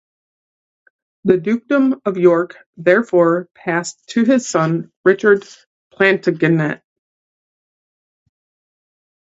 The dukedom of York therefore passed to his son, Richard Plantagenet.